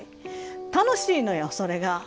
楽しいのよそれが。